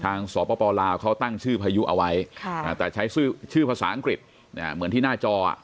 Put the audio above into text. สปลาวเขาตั้งชื่อพายุเอาไว้แต่ใช้ชื่อภาษาอังกฤษเหมือนที่หน้าจอ